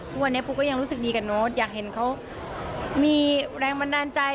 ทุกวันนี้ปูก็ยังรู้สึกดีกับโน้ตอยากเห็นเขามีแรงบันดาลใจ